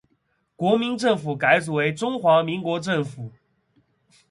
国民政府改组为中华民国政府。